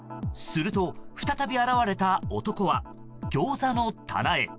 すると、再び現れた男はギョーザの棚へ。